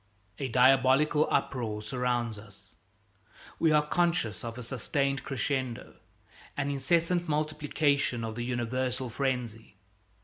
A diabolical uproar surrounds us. We are conscious of a sustained crescendo, an incessant multiplication of the universal frenzy.